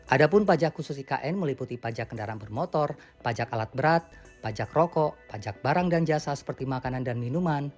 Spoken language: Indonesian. ada pun pajak khusus ikn meliputi pajak kendaraan bermotor pajak alat berat pajak rokok pajak barang dan jasa seperti makanan dan minuman